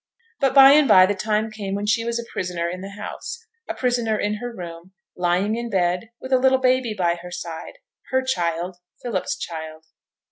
But, by and by, the time came when she was a prisoner in the house; a prisoner in her room, lying in bed with a little baby by her side her child, Philip's child.